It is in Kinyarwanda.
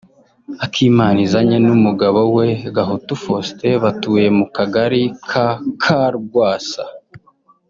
Akimanizanye n’umugabo we Gahutu Faustin batuye mu Kagari ka Karwasa